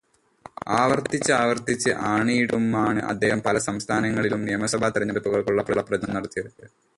ആവര്ത്തിച്ച് ആവര്ത്തിച്ച് ആണയിട്ടുമാണ് അദ്ദേഹം പല സംസ്ഥാനങ്ങളിലും നിയമസഭാ തെരഞ്ഞെടുപ്പുകള്ക്കുള്ള പ്രചാരണം നടത്തിയത്.